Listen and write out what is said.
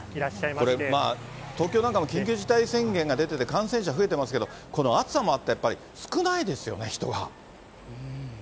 これ、東京なんかも緊急事態宣言が出てて、感染者増えていますけれども、この暑さもあって、やっぱり少ないですよね、人が。